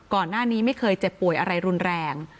ก่อนหน้านี้ไม่เคยเจ็บป่วยอะไรรุนแรง